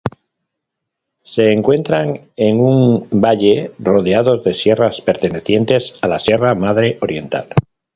Se encuentran en un valle rodeados de sierras pertenecientes a la Sierra Madre Oriental.